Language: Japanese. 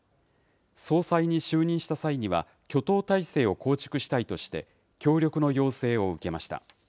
総裁に就任した際には、挙党態勢を構築したいとして、協力の要請を受けました。